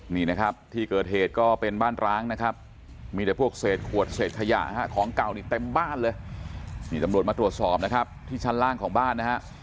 นี่นะครับที่เกิดเหตุก็เป็นบ้านร้างนะครับมีแต่พวกเศษขวดเศษขยะฮะของเก่านี่เต็มบ้านเลยนี่ตำรวจมาตรวจสอบนะครับที่ชั้นล่างของบ้านนะฮะ